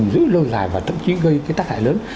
giữ lâu dài và tậm chí gây tác hại lớn